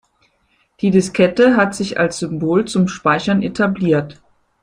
Die Diskette hat sich als Symbol zum Speichern etabliert.